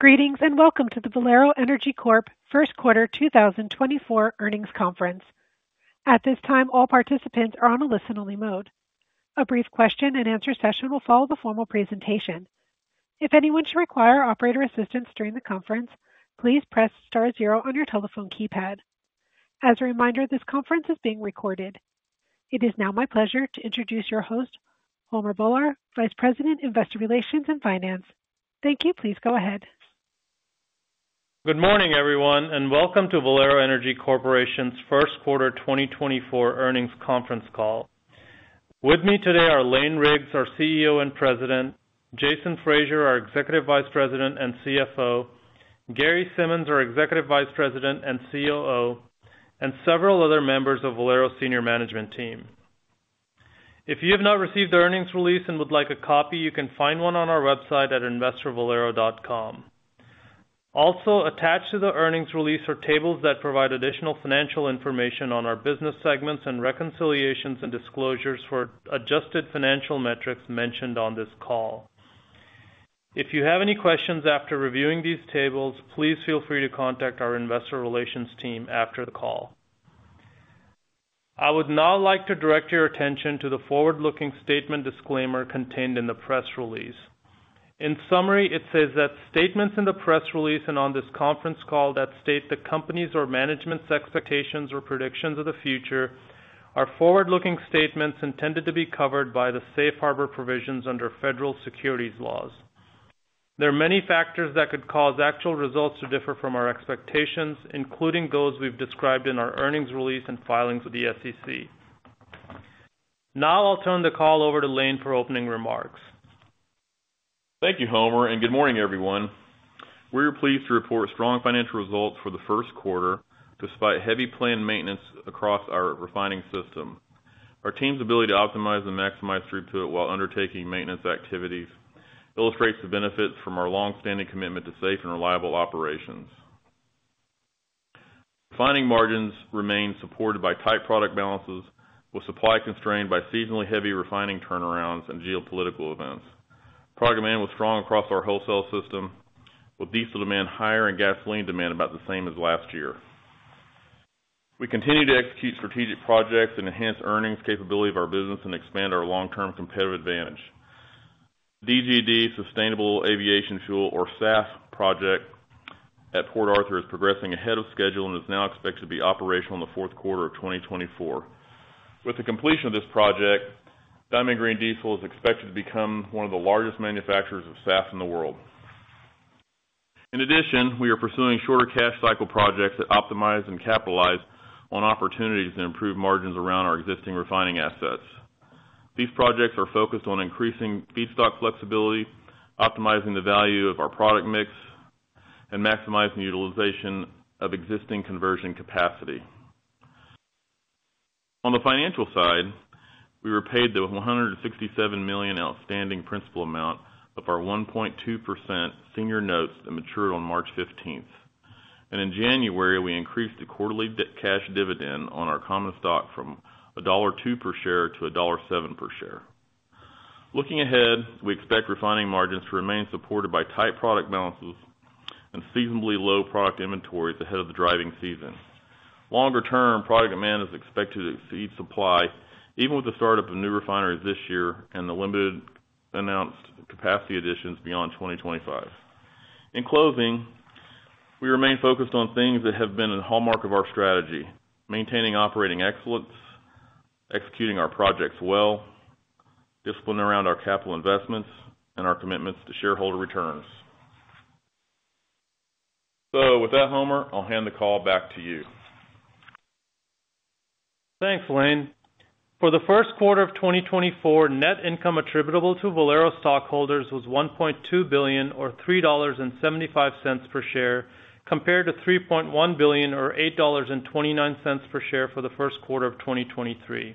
Greetings and welcome to the Valero Energy Corp first quarter 2024 earnings conference. At this time, all participants are on a listen-only mode. A brief question-and-answer session will follow the formal presentation. If anyone should require operator assistance during the conference, please press star zero on your telephone keypad. As a reminder, this conference is being recorded. It is now my pleasure to introduce your host, Homer Bhullar, Vice President, Investor Relations and Finance. Thank you. Please go ahead. Good morning, everyone, and welcome to Valero Energy Corporation's first quarter 2024 earnings conference call. With me today are Lane Riggs, our CEO and President; Jason Fraser, our Executive Vice President and CFO; Gary Simmons, our Executive Vice President and COO; and several other members of Valero's senior management team. If you have not received the earnings release and would like a copy, you can find one on our website at investorvalero.com. Also, attached to the earnings release are tables that provide additional financial information on our business segments and reconciliations and disclosures for adjusted financial metrics mentioned on this call. If you have any questions after reviewing these tables, please feel free to contact our Investor Relations team after the call. I would now like to direct your attention to the forward-looking statement disclaimer contained in the press release. In summary, it says that statements in the press release and on this conference call that state the company's or management's expectations or predictions of the future are forward-looking statements intended to be covered by the safe harbor provisions under federal securities laws. There are many factors that could cause actual results to differ from our expectations, including those we've described in our earnings release and filings with the SEC. Now I'll turn the call over to Lane for opening remarks. Thank you, Homer, and good morning, everyone. We are pleased to report strong financial results for the first quarter despite heavy plant maintenance across our refining system. Our team's ability to optimize and maximize throughput while undertaking maintenance activities illustrates the benefits from our longstanding commitment to safe and reliable operations. Refining margins remain supported by tight product balances, with supply constrained by seasonally heavy refining turnarounds and geopolitical events. Product demand was strong across our wholesale system, with diesel demand higher and gasoline demand about the same as last year. We continue to execute strategic projects and enhance earnings capability of our business and expand our long-term competitive advantage. The DGD Sustainable Aviation Fuel, or SAF, project at Port Arthur is progressing ahead of schedule and is now expected to be operational in the fourth quarter of 2024. With the completion of this project, Diamond Green Diesel is expected to become one of the largest manufacturers of SAF in the world. In addition, we are pursuing shorter cash cycle projects that optimize and capitalize on opportunities to improve margins around our existing refining assets. These projects are focused on increasing feedstock flexibility, optimizing the value of our product mix, and maximizing utilization of existing conversion capacity. On the financial side, we repaid the $167 million outstanding principal amount of our 1.2% senior notes that matured on March 15th. In January, we increased the quarterly cash dividend on our common stock from $1.02 per share to $1.07 per share. Looking ahead, we expect refining margins to remain supported by tight product balances and seasonably low product inventories ahead of the driving season. Longer-term, product demand is expected to exceed supply, even with the startup of new refineries this year and the limited announced capacity additions beyond 2025. In closing, we remain focused on things that have been a hallmark of our strategy: maintaining operating excellence, executing our projects well, discipline around our capital investments, and our commitments to shareholder returns. So with that, Homer, I'll hand the call back to you. Thanks, Lane. For the first quarter of 2024, net income attributable to Valero stockholders was $1.2 billion, or $3.75 per share, compared to $3.1 billion, or $8.29 per share for the first quarter of 2023.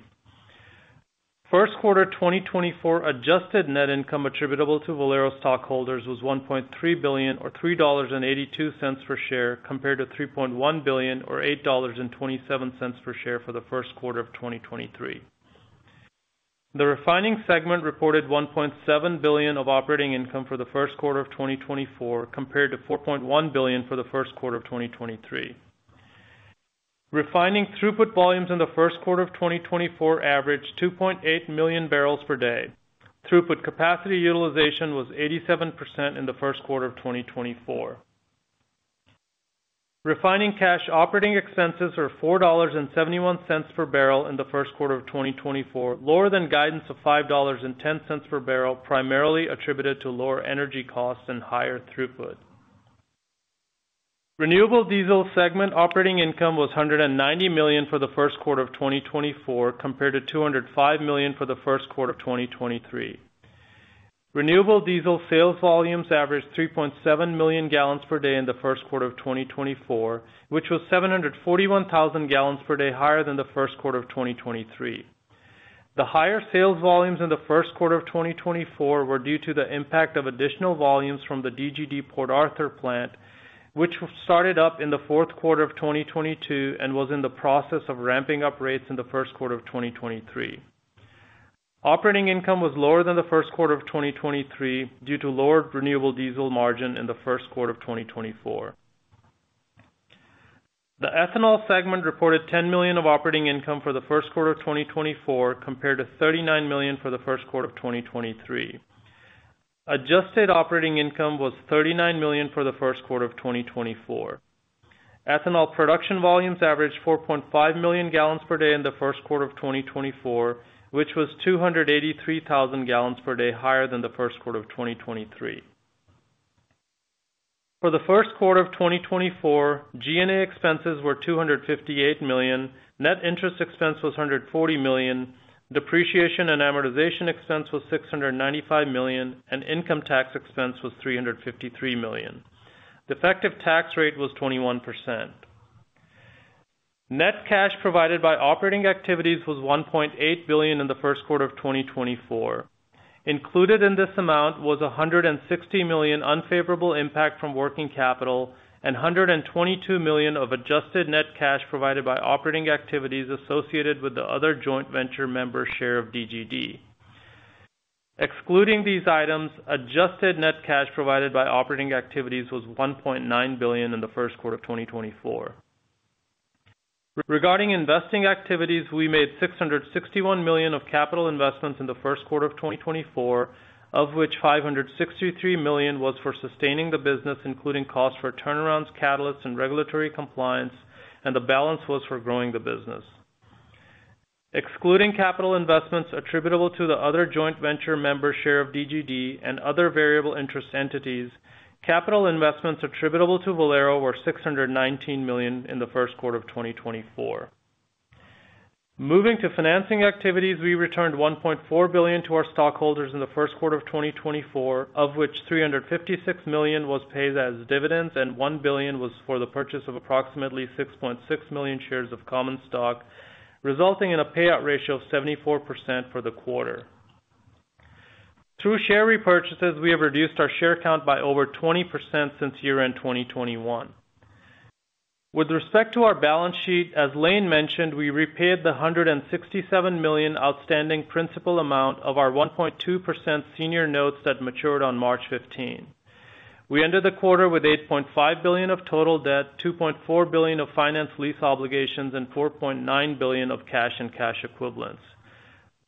First quarter 2024 adjusted net income attributable to Valero stockholders was $1.3 billion, or $3.82 per share, compared to $3.1 billion, or $8.27 per share for the first quarter of 2023. The refining segment reported $1.7 billion of operating income for the first quarter of 2024, compared to $4.1 billion for the first quarter of 2023. Refining throughput volumes in the first quarter of 2024 averaged 2.8 million bbl per day. Throughput capacity utilization was 87% in the first quarter of 2024. Refining cash operating expenses were $4.71 per bbl in the first quarter of 2024, lower than guidance of $5.10 per bbl, primarily attributed to lower energy costs and higher throughput. Renewable diesel segment operating income was $190 million for the first quarter of 2024, compared to $205 million for the first quarter of 2023. Renewable diesel sales volumes averaged 3.7 million gal per day in the first quarter of 2024, which was 741,000 gal per day higher than the first quarter of 2023. The higher sales volumes in the first quarter of 2024 were due to the impact of additional volumes from the DGD Port Arthur plant, which started up in the fourth quarter of 2022 and was in the process of ramping up rates in the first quarter of 2023. Operating income was lower than the first quarter of 2023 due to lower renewable diesel margin in the first quarter of 2024. The ethanol segment reported $10 million of operating income for the first quarter of 2024, compared to $39 million for the first quarter of 2023. Adjusted operating income was $39 million for the first quarter of 2024. Ethanol production volumes averaged 4.5 million gal per day in the first quarter of 2024, which was 283,000 gal per day higher than the first quarter of 2023. For the first quarter of 2024, G&A expenses were $258 million, net interest expense was $140 million, depreciation and amortization expense was $695 million, and income tax expense was $353 million. Effective tax rate was 21%. Net cash provided by operating activities was $1.8 billion in the first quarter of 2024. Included in this amount was $160 million unfavorable impact from working capital and $122 million of adjusted net cash provided by operating activities associated with the other joint venture member share of DGD. Excluding these items, adjusted net cash provided by operating activities was $1.9 billion in the first quarter of 2024. Regarding investing activities, we made $661 million of capital investments in the first quarter of 2024, of which $563 million was for sustaining the business, including costs for turnarounds, catalysts, and regulatory compliance, and the balance was for growing the business. Excluding capital investments attributable to the other joint venture member share of DGD and other variable interest entities, capital investments attributable to Valero were $619 million in the first quarter of 2024. Moving to financing activities, we returned $1.4 billion to our stockholders in the first quarter of 2024, of which $356 million was paid as dividends and $1 billion was for the purchase of approximately 6.6 million shares of common stock, resulting in a payout ratio of 74% for the quarter. Through share repurchases, we have reduced our share count by over 20% since year-end 2021. With respect to our balance sheet, as Lane mentioned, we repaid the $167 million outstanding principal amount of our 1.2% senior notes that matured on March 15th. We ended the quarter with $8.5 billion of total debt, $2.4 billion of finance lease obligations, and $4.9 billion of cash and cash equivalents.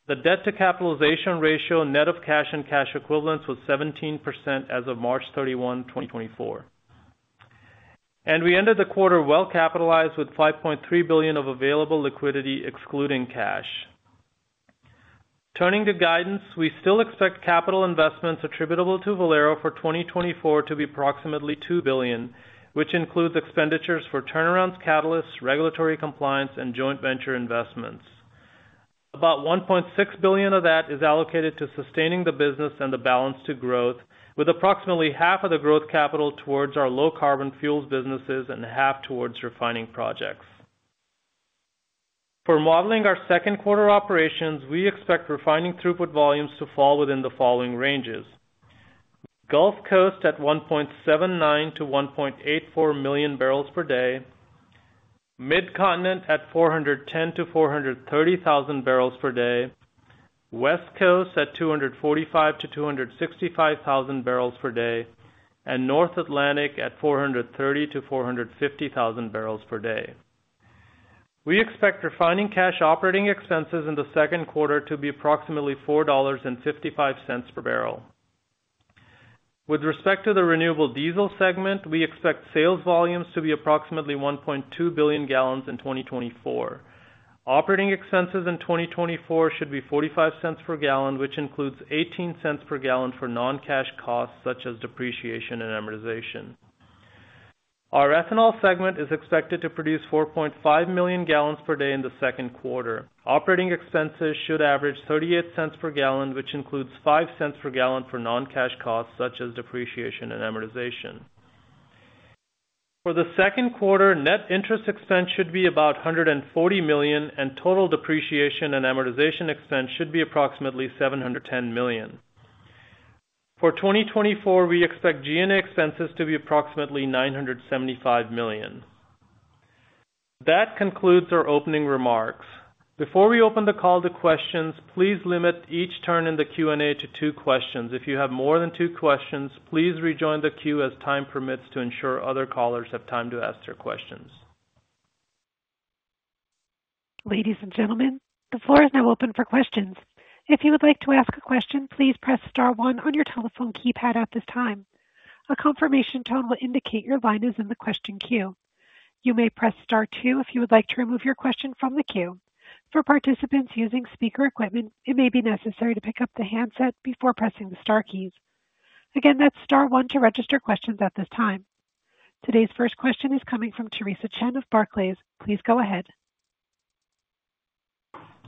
The debt-to-capitalization ratio net of cash and cash equivalents was 17% as of March 31, 2024. We ended the quarter well capitalized with $5.3 billion of available liquidity excluding cash. Turning to guidance, we still expect capital investments attributable to Valero for 2024 to be approximately $2 billion, which includes expenditures for turnarounds, catalysts, regulatory compliance, and joint venture investments. About $1.6 billion of that is allocated to sustaining the business and the balance to growth, with approximately half of the growth capital towards our low-carbon fuels businesses and half towards refining projects. For modeling our second quarter operations, we expect refining throughput volumes to fall within the following ranges: Gulf Coast at 1.79-1.84 million bbl per day, Mid-Continent at 410-430 thousand bbl per day, West Coast at 245-265 thousand bbl per day, and North Atlantic at 430-450 thousand bbl per day. We expect refining cash operating expenses in the second quarter to be approximately $4.55 per bbl. With respect to the renewable diesel segment, we expect sales volumes to be approximately 1.2 billion gal in 2024. Operating expenses in 2024 should be $0.45 per gal, which includes $0.18 per gal for non-cash costs such as depreciation and amortization. Our ethanol segment is expected to produce 4.5 million gal per day in the second quarter. Operating expenses should average $0.38 per gal, which includes $0.05 per gal for non-cash costs such as depreciation and amortization. For the second quarter, net interest expense should be about $140 million, and total depreciation and amortization expense should be approximately $710 million. For 2024, we expect G&A expenses to be approximately $975 million. That concludes our opening remarks. Before we open the call to questions, please limit each turn in the Q&A to two questions. If you have more than two questions, please rejoin the queue as time permits to ensure other callers have time to ask their questions. Ladies and gentlemen, the floor is now open for questions. If you would like to ask a question, please press star one on your telephone keypad at this time. A confirmation tone will indicate your line is in the question queue. You may press star two if you would like to remove your question from the queue. For participants using speaker equipment, it may be necessary to pick up the handset before pressing the star keys. Again, that's star one to register questions at this time. Today's first question is coming from Teresa Chen of Barclays. Please go ahead.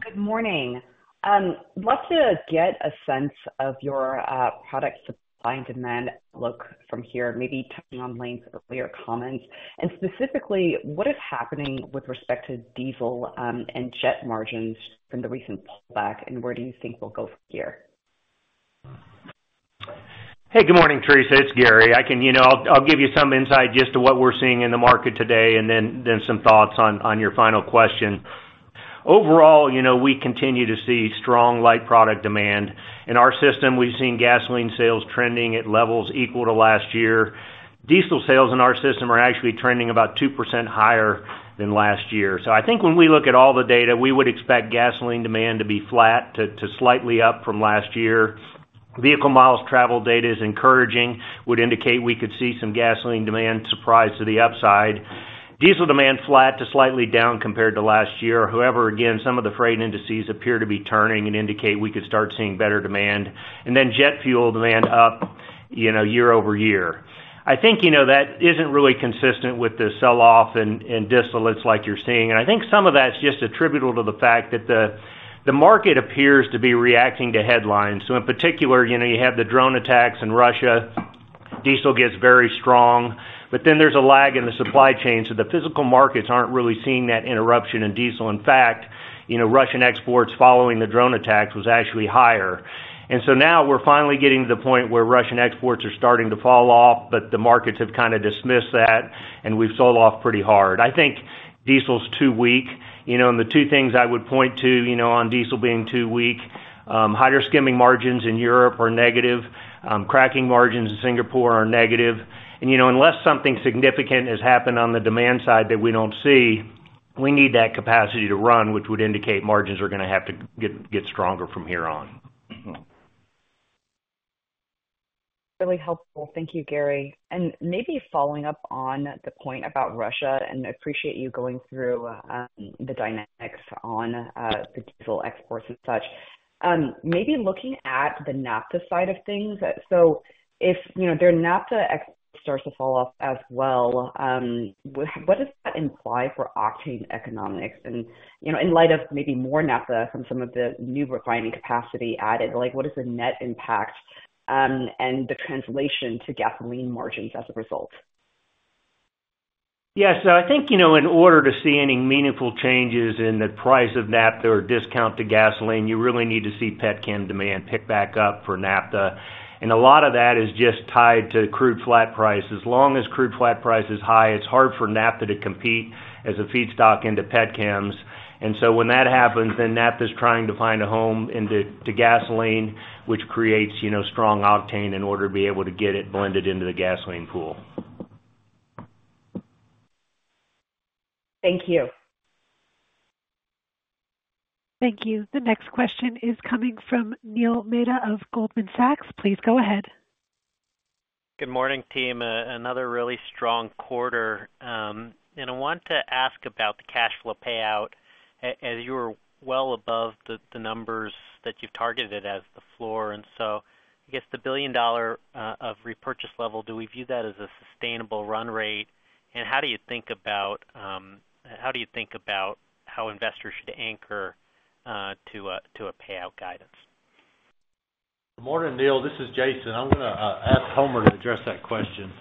Good morning. I'd love to get a sense of your product supply and demand outlook from here, maybe touching on Lane's earlier comments. Specifically, what is happening with respect to diesel and jet margins from the recent pullback, and where do you think we'll go from here? Hey, good morning, Teresa. It's Gary. I can, you know, I'll, I'll give you some insight just to what we're seeing in the market today and then, then some thoughts on, on your final question. Overall, you know, we continue to see strong light product demand. In our system, we've seen gasoline sales trending at levels equal to last year. Diesel sales in our system are actually trending about 2% higher than last year. So I think when we look at all the data, we would expect gasoline demand to be flat to, to slightly up from last year. Vehicle miles traveled data is encouraging, would indicate we could see some gasoline demand surprise to the upside. Diesel demand flat to slightly down compared to last year. However, again, some of the freight indices appear to be turning and indicate we could start seeing better demand. And then jet fuel demand up, you know, year-over-year. I think, you know, that isn't really consistent with the selloff and, and distillates like you're seeing. And I think some of that's just attributable to the fact that the, the market appears to be reacting to headlines. So in particular, you know, you have the drone attacks in Russia. Diesel gets very strong. But then there's a lag in the supply chain, so the physical markets aren't really seeing that interruption in diesel. In fact, you know, Russian exports following the drone attacks was actually higher. And so now we're finally getting to the point where Russian exports are starting to fall off, but the markets have kind of dismissed that, and we've sold off pretty hard. I think diesel's too weak. You know, and the two things I would point to, you know, on diesel being too weak: Hydroskimming margins in Europe are negative. Cracking margins in Singapore are negative. And, you know, unless something significant has happened on the demand side that we don't see, we need that capacity to run, which would indicate margins are going to have to get, get stronger from here on. Really helpful. Thank you, Gary. And maybe following up on the point about Russia—and I appreciate you going through, the dynamics on, the diesel exports and such—maybe looking at the naphtha side of things. So if, you know, their naphtha exports start to fall off as well, what does that imply for octane economics? And, you know, in light of maybe more naphtha and some of the new refining capacity added, like, what is the net impact, and the translation to gasoline margins as a result? Yeah. So I think, you know, in order to see any meaningful changes in the price of naphtha or discount to gasoline, you really need to see pet chem demand pick back up for naphtha. And a lot of that is just tied to crude flat price. As long as crude flat price is high, it's hard for naphtha to compete as a feedstock into pet chem. And so when that happens, then naphtha's trying to find a home into, to gasoline, which creates, you know, strong octane in order to be able to get it blended into the gasoline pool. Thank you. Thank you. The next question is coming from Neil Mehta of Goldman Sachs. Please go ahead. Good morning, team. Another really strong quarter. And I want to ask about the cash flow payout. As you're well above the numbers that you've targeted as the floor. And so I guess the billion-dollar of repurchase level, do we view that as a sustainable run rate? And how do you think about how investors should anchor to a payout guidance? Good morning, Neil. This is Jason. I'm going to ask Homer to address that question.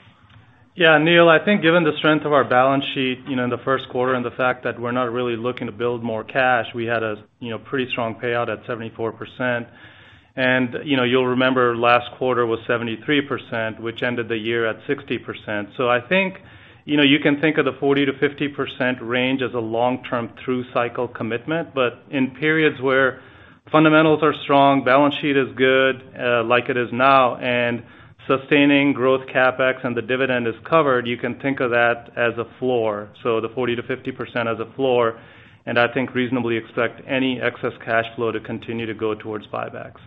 Yeah, Neil. I think given the strength of our balance sheet, you know, in the first quarter and the fact that we're not really looking to build more cash, we had a, you know, pretty strong payout at 74%. And, you know, you'll remember last quarter was 73%, which ended the year at 60%. So I think, you know, you can think of the 40%-50% range as a long-term through-cycle commitment. But in periods where fundamentals are strong, balance sheet is good, like it is now, and sustaining growth CapEx and the dividend is covered, you can think of that as a floor. So the 40%-50% as a floor. And I think reasonably expect any excess cash flow to continue to go towards buybacks.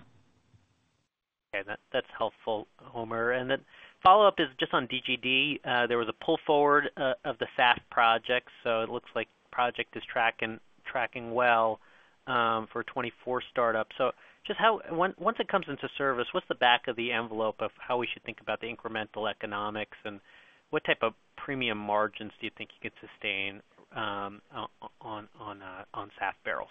Okay. That's helpful, Homer. And then follow-up is just on DGD. There was a pull forward of the SAF project, so it looks like the project is tracking well for 2024 startups. So just how once it comes into service, what's the back-of-the-envelope of how we should think about the incremental economics, and what type of premium margins do you think you could sustain on SAF bbl?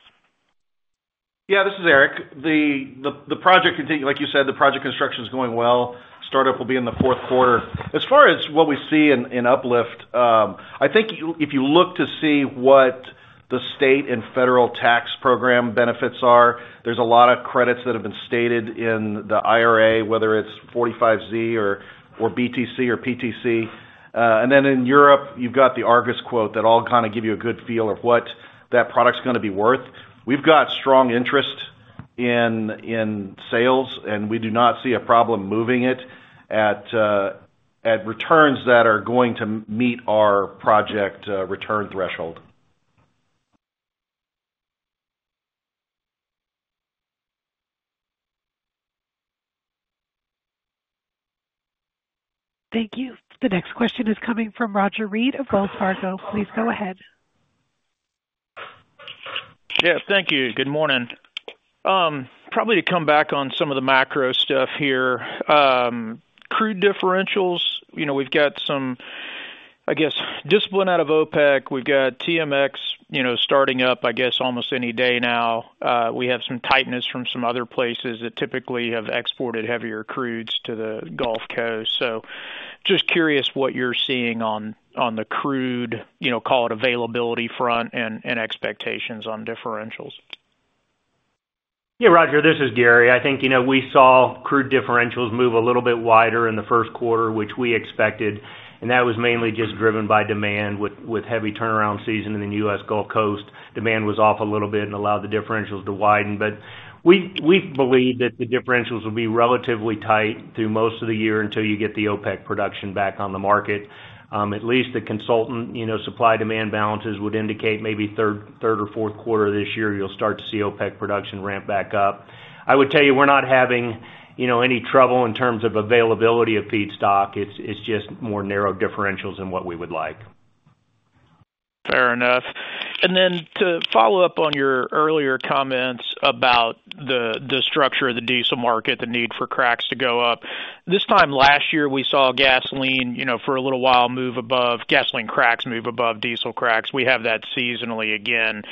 Yeah. This is Eric. The project continues like you said. The project construction's going well. Startup will be in the fourth quarter. As far as what we see in uplift, I think if you look to see what the state and federal tax program benefits are, there's a lot of credits that have been stated in the IRA, whether it's 45Z or BTC or PTC. And then in Europe, you've got the Argus quote that all kind of give you a good feel of what that product's going to be worth. We've got strong interest in sales, and we do not see a problem moving it at returns that are going to meet our project return threshold. Thank you. The next question is coming from Roger Read of Wells Fargo. Please go ahead. Yeah. Thank you. Good morning. Probably to come back on some of the macro stuff here. Crude differentials, you know, we've got some, I guess, discipline out of OPEC. We've got TMX, you know, starting up, I guess, almost any day now. We have some tightness from some other places that typically have exported heavier crudes to the Gulf Coast. So just curious what you're seeing on the crude, you know, call it availability front, and expectations on differentials. Yeah, Roger. This is Gary. I think, you know, we saw crude differentials move a little bit wider in the first quarter, which we expected. And that was mainly just driven by demand with, with heavy turnaround season in the U.S. Gulf Coast. Demand was off a little bit and allowed the differentials to widen. But we, we believe that the differentials will be relatively tight through most of the year until you get the OPEC production back on the market. At least the consultant, you know, supply-demand balances would indicate maybe third, third or fourth quarter of this year, you'll start to see OPEC production ramp back up. I would tell you we're not having, you know, any trouble in terms of availability of feedstock. It's, it's just more narrow differentials than what we would like. Fair enough. Then to follow up on your earlier comments about the structure of the diesel market, the need for cracks to go up, this time last year, we saw gasoline, you know, for a little while move above gasoline cracks move above diesel cracks. We have that seasonally again.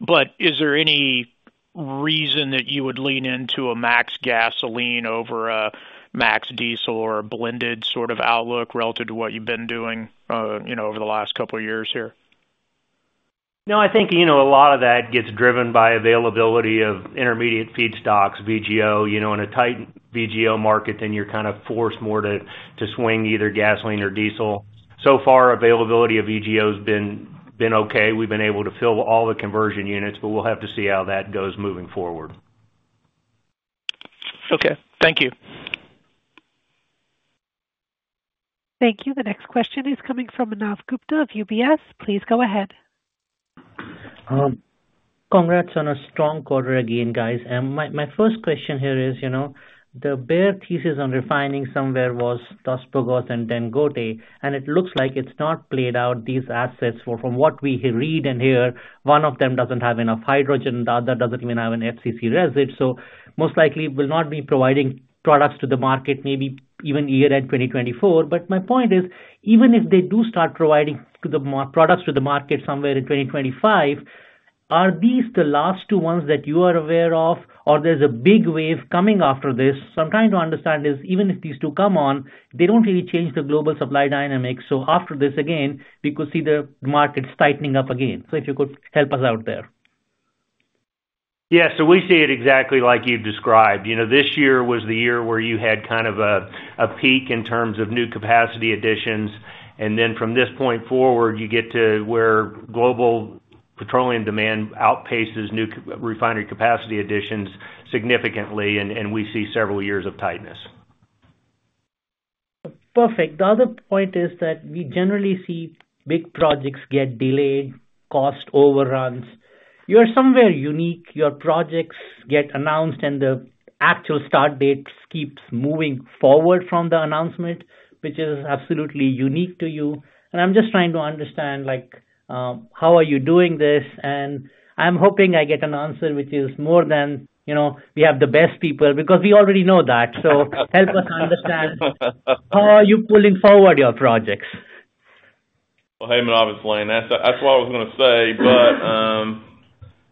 But is there any reason that you would lean into a max gasoline over a max diesel or a blended sort of outlook relative to what you've been doing, you know, over the last couple of years here? No. I think, you know, a lot of that gets driven by availability of intermediate feedstocks, VGO. You know, in a tight VGO market, then you're kind of forced more to swing either gasoline or diesel. So far, availability of VGO's been okay. We've been able to fill all the conversion units, but we'll have to see how that goes moving forward. Okay. Thank you. Thank you. The next question is coming from Manav Gupta of UBS. Please go ahead. Congrats on a strong quarter again, guys. My first question here is, you know, the bear thesis on refining somewhere was Dos Bocas and Dangote, and it looks like it's not played out. These assets were, from what we read and hear, one of them doesn't have enough hydrogen, the other doesn't even have an FCC resid. So most likely, it will not be providing products to the market maybe even year-end 2024. But my point is, even if they do start providing to the market products to the market somewhere in 2025, are these the last two ones that you are aware of, or there's a big wave coming after this? So I'm trying to understand, is even if these two come on, they don't really change the global supply dynamic. So after this again, we could see the markets tightening up again. If you could help us out there? Yeah. So we see it exactly like you've described. You know, this year was the year where you had kind of a peak in terms of new capacity additions. And then from this point forward, you get to where global petroleum demand outpaces new refinery capacity additions significantly, and we see several years of tightness. Perfect. The other point is that we generally see big projects get delayed, cost overruns. You are somewhere unique. Your projects get announced, and the actual start dates keep moving forward from the announcement, which is absolutely unique to you. And I'm just trying to understand, like, how are you doing this? And I'm hoping I get an answer which is more than, you know, "We have the best people," because we already know that. So help us understand how are you pulling forward your projects? Well, hey, Manav, it's Lane. That's, that's what I was going to say. But, you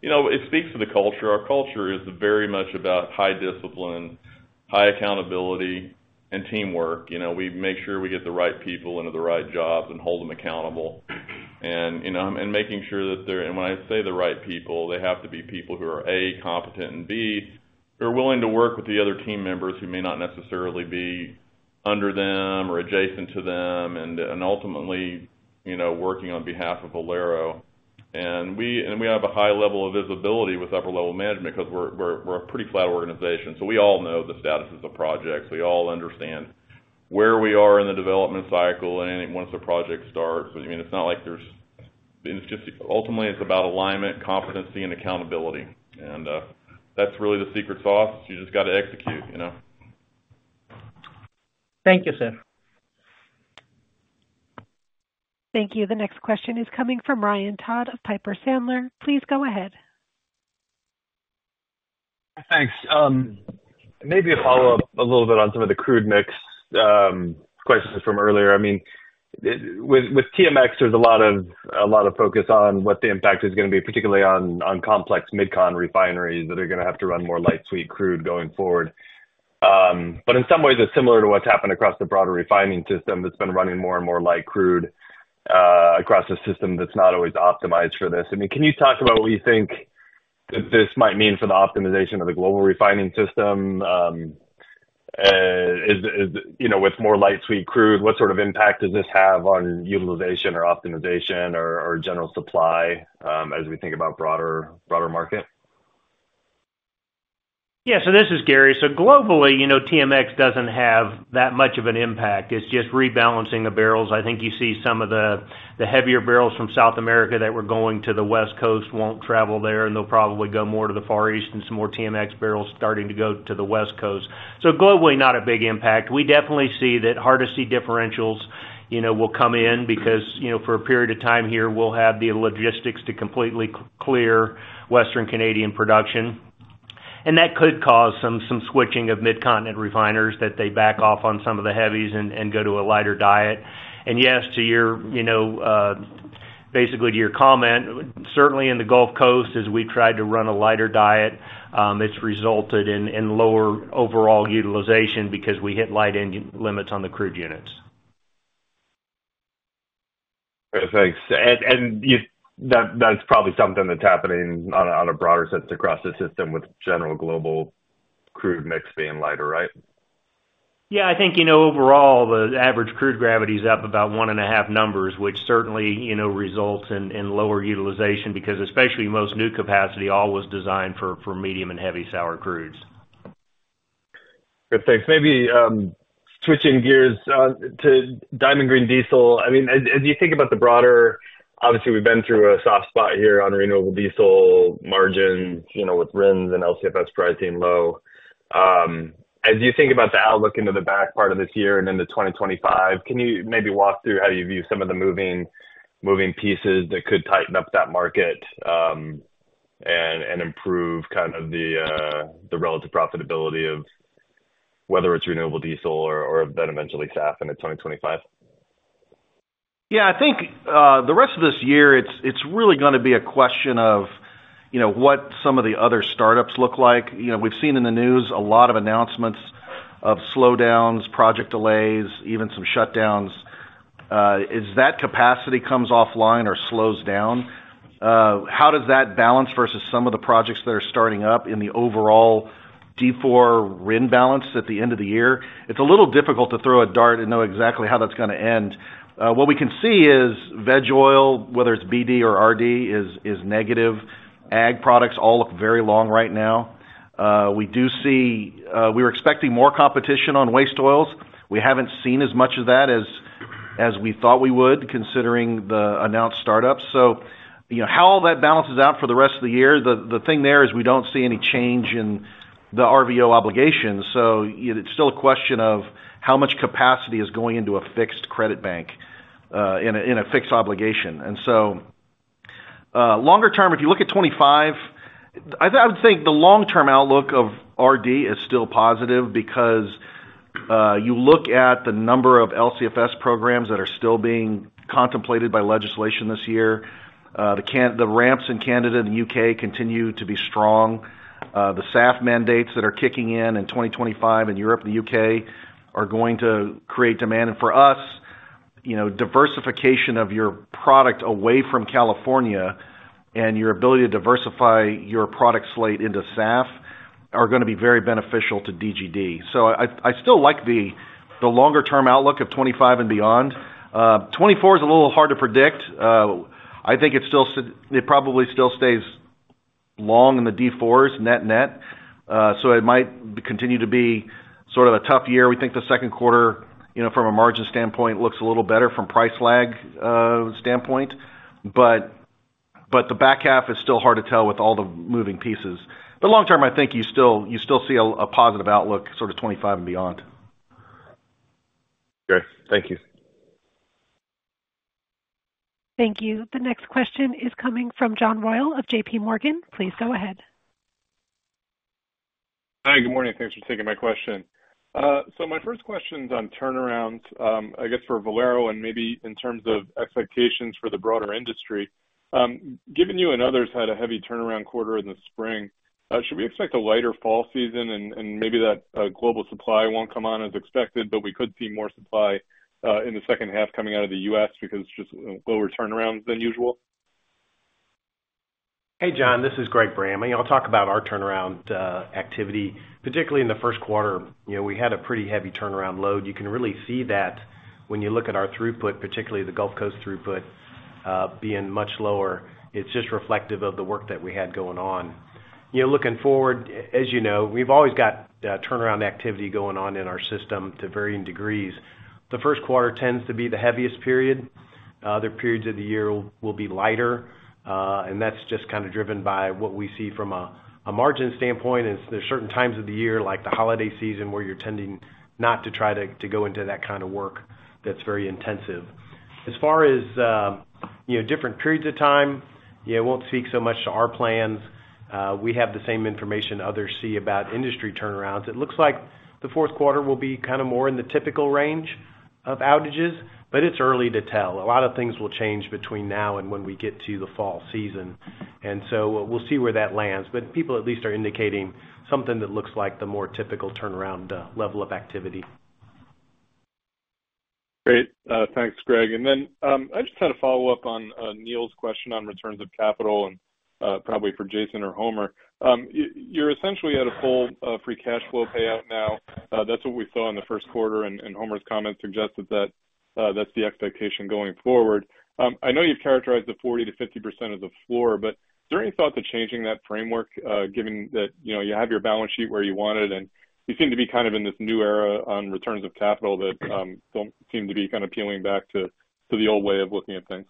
know, it speaks to the culture. Our culture is very much about high discipline, high accountability, and teamwork. You know, we make sure we get the right people into the right jobs and hold them accountable. And, you know, and making sure that they're and when I say the right people, they have to be people who are, A, competent, and B, who are willing to work with the other team members who may not necessarily be under them or adjacent to them, and, and ultimately, you know, working on behalf of Valero. And we and we have a high level of visibility with upper-level management because we're, we're, we're a pretty flat organization. So we all know the status of the projects. We all understand where we are in the development cycle, and once the project starts. I mean, it's not like there's, and it's just ultimately, it's about alignment, competency, and accountability. And, that's really the secret sauce. You just got to execute, you know? Thank you, sir. Thank you. The next question is coming from Ryan Todd of Piper Sandler. Please go ahead. Thanks. Maybe a follow-up a little bit on some of the crude mix questions from earlier. I mean, with TMX, there's a lot of a lot of focus on what the impact is going to be, particularly on complex Mid-Con refineries that are going to have to run more light-sweet crude going forward. In some ways, it's similar to what's happened across the broader refining system that's been running more and more light crude, across a system that's not always optimized for this. I mean, can you talk about what you think that this might mean for the optimization of the global refining system? Is, you know, with more light-sweet crude, what sort of impact does this have on utilization or optimization or general supply, as we think about broader, broader market? Yeah. So this is Gary. So globally, you know, TMX doesn't have that much of an impact. It's just rebalancing the bbl. I think you see some of the heavier bbl from South America that were going to the West Coast won't travel there, and they'll probably go more to the Far East and some more TMX bbl starting to go to the West Coast. So globally, not a big impact. We definitely see that heavy-sweet differentials, you know, will come in because, you know, for a period of time here, we'll have the logistics to completely clear Western Canadian production. And that could cause some switching of mid-continent refiners that they back off on some of the heavies and go to a lighter diet. Yes, to your, you know, basically to your comment, certainly in the Gulf Coast, as we've tried to run a lighter diet, it's resulted in lower overall utilization because we hit light-end limits on the crude units. Okay. Thanks. And you that, that's probably something that's happening on a broader sense across the system with general global crude mix being lighter, right? Yeah. I think, you know, overall, the average crude gravity's up about 1.5 numbers, which certainly, you know, results in lower utilization because especially most new capacity always designed for medium and heavy sour crudes. Good. Thanks. Maybe switching gears to Diamond Green Diesel. I mean, as you think about the broader, obviously, we've been through a soft spot here on renewable diesel margins, you know, with RINs and LCFS pricing low. As you think about the outlook into the back part of this year and into 2025, can you maybe walk through how you view some of the moving pieces that could tighten up that market, and improve kind of the relative profitability of whether it's renewable diesel or then eventually SAF in 2025? Yeah. I think, the rest of this year, it's really going to be a question of, you know, what some of the other startups look like. You know, we've seen in the news a lot of announcements of slowdowns, project delays, even some shutdowns. As that capacity comes offline or slows down, how does that balance versus some of the projects that are starting up in the overall D4 RIN balance at the end of the year? It's a little difficult to throw a dart and know exactly how that's going to end. What we can see is veg oil, whether it's BD or RD, is negative. Ag products all look very long right now. We do see we were expecting more competition on waste oils. We haven't seen as much of that as we thought we would considering the announced startups. So, you know, how all that balances out for the rest of the year, the thing there is we don't see any change in the RVO obligation. So, you know, it's still a question of how much capacity is going into a fixed credit bank, in a fixed obligation. And so, longer term, if you look at 2025, I think I would think the long-term outlook of RD is still positive because, you look at the number of LCFS programs that are still being contemplated by legislation this year. The Canadian ramps in Canada and the UK continue to be strong. The SAF mandates that are kicking in in 2025 in Europe and the UK are going to create demand. And for us, you know, diversification of your product away from California and your ability to diversify your product slate into SAF are going to be very beneficial to DGD. So I still like the longer-term outlook of 2025 and beyond. 2024 is a little hard to predict. I think it still sits it probably still stays long in the D4s, net, net. So it might continue to be sort of a tough year. We think the second quarter, you know, from a margin standpoint, looks a little better from price lag standpoint. But the back half is still hard to tell with all the moving pieces. But long term, I think you still see a positive outlook sort of 2025 and beyond. Okay. Thank you. Thank you. The next question is coming from John Royall of JPMorgan. Please go ahead. Hi. Good morning. Thanks for taking my question. So my first question's on turnarounds, I guess for Valero and maybe in terms of expectations for the broader industry. Given you and others had a heavy turnaround quarter in the spring, should we expect a lighter fall season, and, and maybe that, global supply won't come on as expected, but we could see more supply, in the second half coming out of the U.S. because just lower turnarounds than usual? Hey, John. This is Greg Bram. And I'll talk about our turnaround activity. Particularly in the first quarter, you know, we had a pretty heavy turnaround load. You can really see that when you look at our throughput, particularly the Gulf Coast throughput, being much lower. It's just reflective of the work that we had going on. You know, looking forward, as you know, we've always got turnaround activity going on in our system to varying degrees. The first quarter tends to be the heaviest period. Other periods of the year will be lighter. And that's just kind of driven by what we see from a margin standpoint. And there's certain times of the year, like the holiday season, where you're tending not to try to go into that kind of work that's very intensive. As far as, you know, different periods of time, yeah, it won't speak so much to our plans. We have the same information others see about industry turnarounds. It looks like the fourth quarter will be kind of more in the typical range of outages, but it's early to tell. A lot of things will change between now and when we get to the fall season. And so we'll see where that lands. But people at least are indicating something that looks like the more typical turnaround level of activity. Great. Thanks, Greg. And then, I just had a follow-up on Neil's question on returns of capital and, probably for Jason or Homer. You're essentially at a full, free cash flow payout now. That's what we saw in the first quarter. And Homer's comments suggested that, that's the expectation going forward. I know you've characterized the 40%-50% as a floor, but is there any thought to changing that framework, given that, you know, you have your balance sheet where you want it? And you seem to be kind of in this new era on returns of capital that don't seem to be kind of peeling back to the old way of looking at things.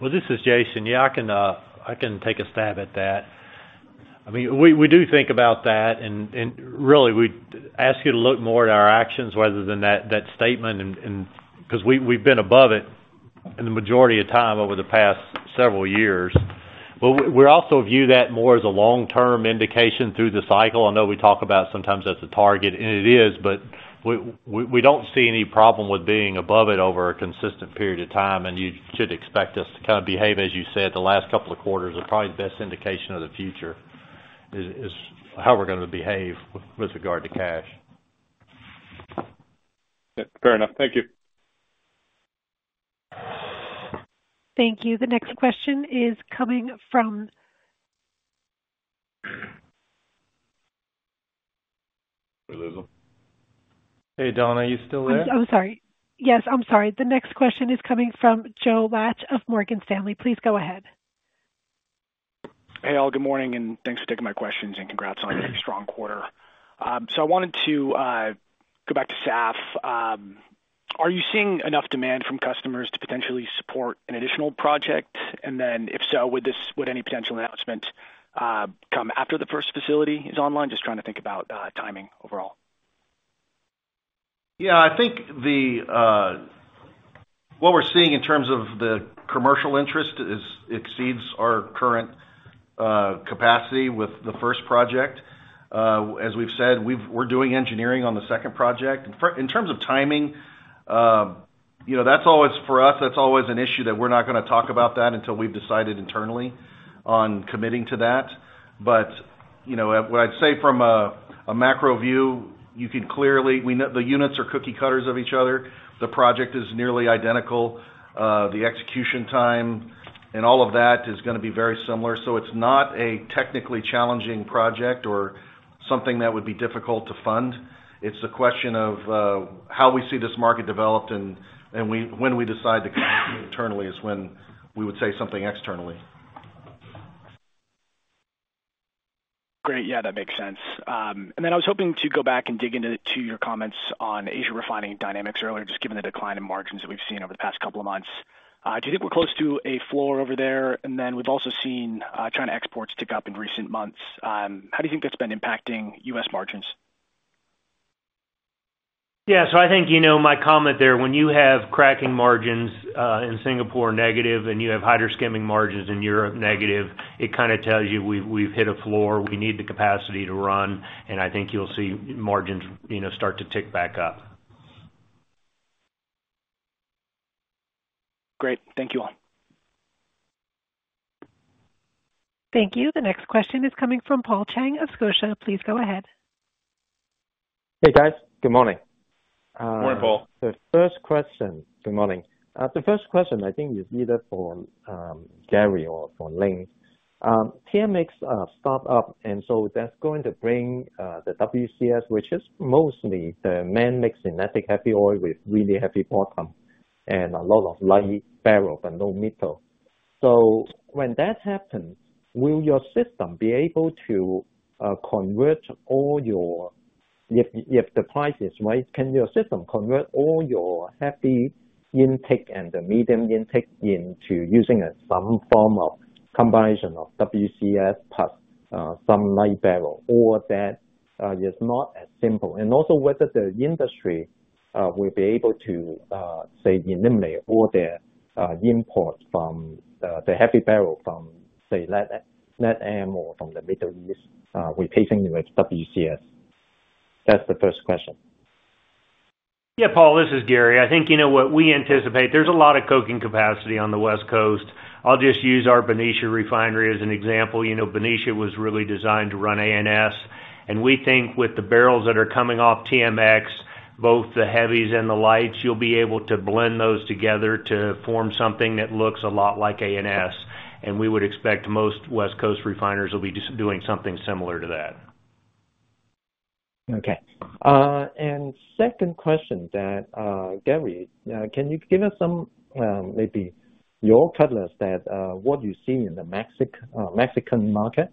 Well, this is Jason. Yeah. I can take a stab at that. I mean, we do think about that. And really, we'd ask you to look more at our actions rather than that statement and because we've been above it in the majority of time over the past several years. But we also view that more as a long-term indication through the cycle. I know we talk about sometimes that's a target, and it is. But we don't see any problem with being above it over a consistent period of time. And you should expect us to kind of behave, as you said, the last couple of quarters are probably the best indication of the future is how we're going to behave with regard to cash. Yeah. Fair enough. Thank you. Thank you. The next question is coming from. We lose them. Hey, Donna. Are you still there? I'm sorry. Yes. I'm sorry. The next question is coming from Joe Laetsch of Morgan Stanley. Please go ahead. Hey, all. Good morning. And thanks for taking my questions and congrats on a strong quarter. So I wanted to go back to SAF. Are you seeing enough demand from customers to potentially support an additional project? And then if so, would any potential announcement come after the first facility is online? Just trying to think about timing overall. Yeah. I think what we're seeing in terms of the commercial interest exceeds our current capacity with the first project. As we've said, we're doing engineering on the second project. In terms of timing, you know, that's always for us an issue that we're not going to talk about until we've decided internally on committing to that. But, you know, what I'd say from a macro view, you can clearly see we know the units are cookie-cutters of each other. The project is nearly identical. The execution time and all of that is going to be very similar. So it's not a technically challenging project or something that would be difficult to fund. It's a question of how we see this market developed and when we decide to commit to it internally is when we would say something externally. Great. Yeah. That makes sense. And then I was hoping to go back and dig into to your comments on Asia refining dynamics earlier, just given the decline in margins that we've seen over the past couple of months. Do you think we're close to a floor over there? And then we've also seen, China exports tick up in recent months. How do you think that's been impacting U.S. margins? Yeah. So I think, you know, my comment there, when you have cracking margins in Singapore negative and you have hydroskimming margins in Europe negative, it kind of tells you we've hit a floor. We need the capacity to run. And I think you'll see margins, you know, start to tick back up. Great. Thank you all. Thank you. The next question is coming from Paul Cheng of Scotia. Please go ahead. Hey, guys. Good morning. Morning, Paul. The first question. Good morning. The first question, I think, is either for Gary or for Lane. TMX startup, and so that's going to bring the WCS, which is mostly the man-mixed synthetic heavy oil with really heavy bottom and a lot of light bbl but no middle. So when that happens, will your system be able to convert all your, if the price is right, can your system convert all your heavy intake and the medium intake into using some form of combination of WCS plus some light bbl? All that is not as simple. And also whether the industry will be able to, say, eliminate all their imports from the heavy bbl from, say, LATAM or from the Middle East, replacing it with WCS. That's the first question. Yeah, Paul. This is Gary. I think, you know, what we anticipate, there's a lot of coking capacity on the West Coast. I'll just use our Benicia refinery as an example. You know, Benicia was really designed to run ANS. And we think with the bbl that are coming off TMX, both the heavies and the lights, you'll be able to blend those together to form something that looks a lot like ANS. We would expect most West Coast refiners will be doing something similar to that. Okay. Second question, Gary, can you give us some, maybe your color on what you see in the Mexican market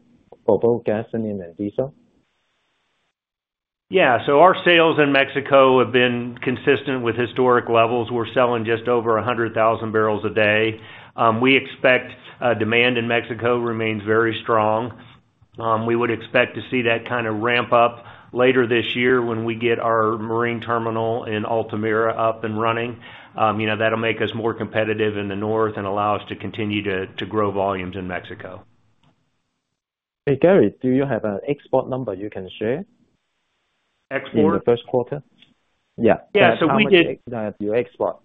for both gasoline and diesel? Yeah. So our sales in Mexico have been consistent with historic levels. We're selling just over 100,000 bbl a day. We expect demand in Mexico remains very strong. We would expect to see that kind of ramp up later this year when we get our marine terminal in Altamira up and running. You know, that'll make us more competitive in the north and allow us to continue to grow volumes in Mexico. Hey, Gary. Do you have an export number you can share? Export? In the first quarter? Yeah. Yeah. So we did. That you export?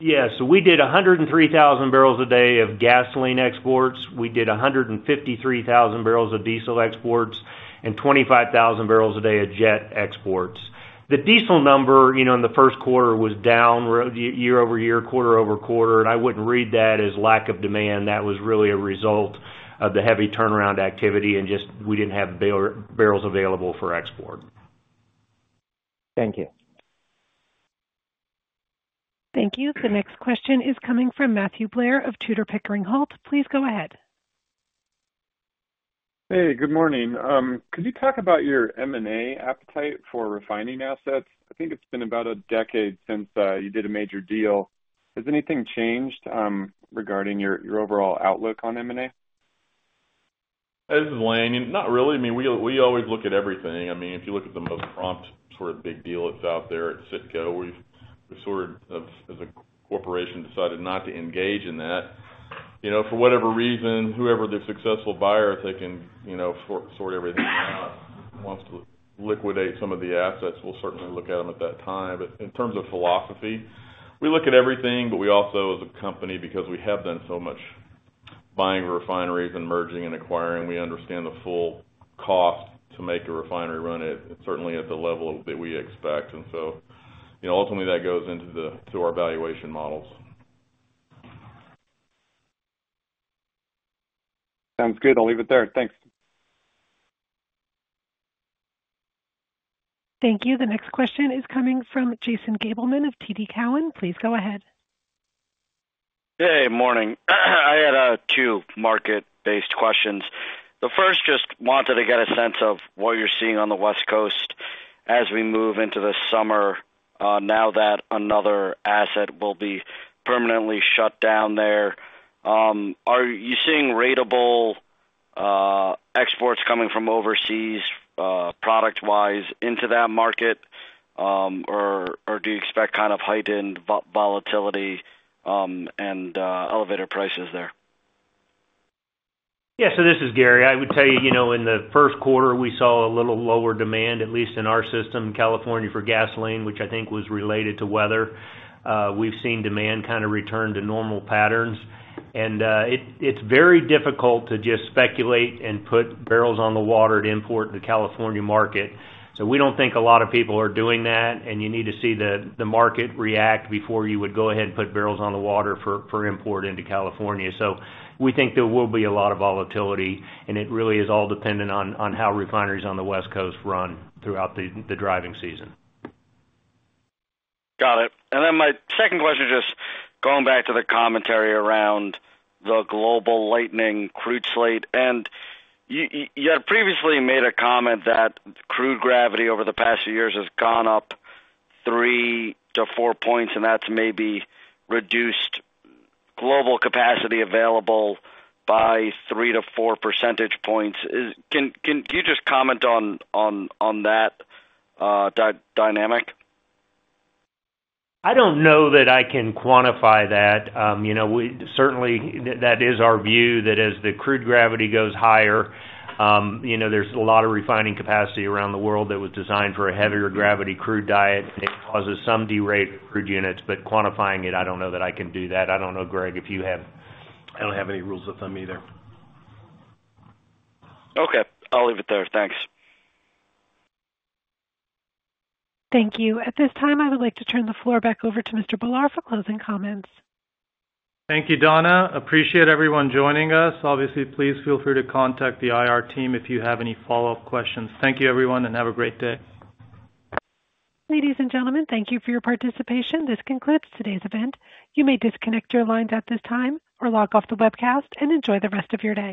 Yeah. So we did 103,000 bbl a day of gasoline exports. We did 153,000 bbl of diesel exports and 25,000 bbl a day of jet exports. The diesel number, you know, in the first quarter was down year-over-year, quarter-over-quarter. I wouldn't read that as lack of demand. That was really a result of the heavy turnaround activity and just we didn't have bbl available for export. Thank you. Thank you. The next question is coming from Matthew Blair of Tudor, Pickering, Holt. Please go ahead. Hey. Good morning. Could you talk about your M&A appetite for refining assets? I think it's been about a decade since, you did a major deal. Has anything changed, regarding your, your overall outlook on M&A? This is Lane. Not really. I mean, we always look at everything. I mean, if you look at the most prominent sort of big deal that's out there, it's Citgo. We've sort of as a corporation decided not to engage in that. You know, for whatever reason, whoever the successful buyer if they can, you know, sort everything out, wants to liquidate some of the assets, we'll certainly look at them at that time. But in terms of philosophy, we look at everything. But we also, as a company, because we have done so much buying refineries and merging and acquiring, we understand the full cost to make a refinery run it, certainly at the level that we expect. And so, you know, ultimately, that goes into our valuation models. Sounds good. I'll leave it there. Thanks. Thank you. The next question is coming from Jason Gabelman of TD Cowen. Please go ahead. Hey. Morning. I had two market-based questions. The first just wanted to get a sense of what you're seeing on the West Coast as we move into the summer, now that another asset will be permanently shut down there. Are you seeing ratable exports coming from overseas, product-wise into that market? Or do you expect kind of heightened volatility and elevated prices there? Yeah. So this is Gary. I would tell you, you know, in the first quarter, we saw a little lower demand, at least in our system, California for gasoline, which I think was related to weather. We've seen demand kind of return to normal patterns. And it's very difficult to just speculate and put bbl on the water to import to the California market. So we don't think a lot of people are doing that. And you need to see the market react before you would go ahead and put bbl on the water for import into California. So we think there will be a lot of volatility. And it really is all dependent on how refineries on the West Coast run throughout the driving season. Got it. And then my second question, just going back to the commentary around the global lightening crude slate. And you had previously made a comment that crude gravity over the past few years has gone up 3-4 points. And that's maybe reduced global capacity available by 3-4 pp. Can you just comment on that dynamic? I don't know that I can quantify that. You know, we certainly, that is our view that as the crude gravity goes higher, you know, there's a lot of refining capacity around the world that was designed for a heavier gravity crude diet. And it causes some derate of crude units. But quantifying it, I don't know that I can do that. I don't know, Greg, if you have. I don't have any rules with them either. Okay. I'll leave it there. Thanks. Thank you. At this time, I would like to turn the floor back over to Mr. Bhullar for closing comments. Thank you, Donna. Appreciate everyone joining us. Obviously, please feel free to contact the IR team if you have any follow-up questions. Thank you, everyone. Have a great day. Ladies and gentlemen, thank you for your participation. This concludes today's event. You may disconnect your lines at this time or lock off the webcast and enjoy the rest of your day.